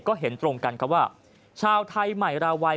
ก็เห็นตรงกันครับว่าชาวไทยใหม่ราวัย